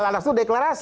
ya salah itu deklarasi